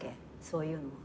そういうのは。